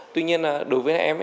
tuy nhiên là đối với em ấy